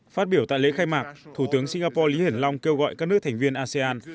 phát biểu tại lễ khai mạc thủ tướng singapore lý hiển long kêu gọi các nước thành viên asean